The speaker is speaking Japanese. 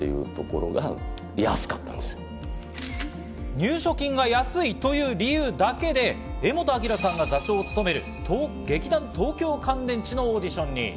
入所金が安いという理由だけで、柄本明さんが座長を務める劇団東京乾電池のオーディションに。